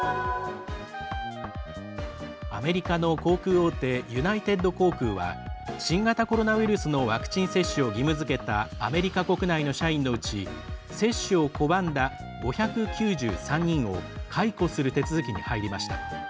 アメリカの航空大手ユナイテッド航空は新型コロナウイルスのワクチン接種を義務づけたアメリカ国内の社員のうち接種を拒んだ５９３人を解雇する手続きに入りました。